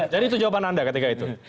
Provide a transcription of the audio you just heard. jadi itu jawaban anda ketika itu